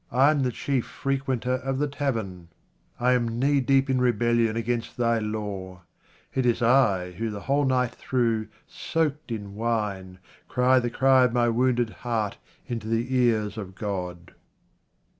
I am the chief frequenter of the tavern, 1 am knee deep in rebellion against Thy law. It is I who the whole night through, soaked in wine, cry the cry of my wounded heart into the ears of God.